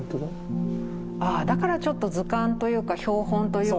ああだからちょっと図鑑というか標本というか。